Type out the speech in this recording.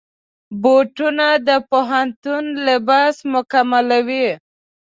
بوټونه د پوهنتون لباس مکملوي.